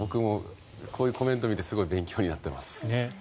僕もこういうコメントを見てすごい勉強になっています。